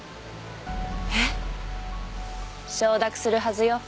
えっ？承諾するはずよ。